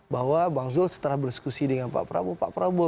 bahwa bang zul setelah berdiskusi dengan pak prabowo